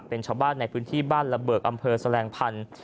เป็นชาวบ้านในพื้นที่บ้านระเบิดอำเภอแสลงพันธุ์